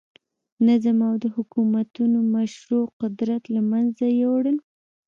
نظم او د حکومتونو مشروع قدرت له منځه یووړل.